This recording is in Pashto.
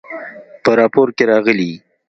په راپور کې راغلي